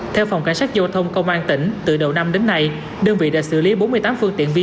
theo phòng cảnh sát giao thông công an tỉnh từ đầu năm đến nay đơn vị đã xử lý bốn mươi tám phương tiện vi phạm